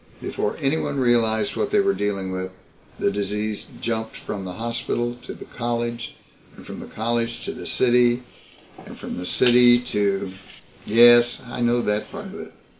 Before anyone realized what they were dealing with, the disease jumped from the hospital to the college, and from the college to the city, and from the city to " "Yes, I know that part of it.